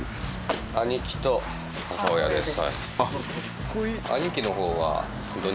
兄貴と母親です。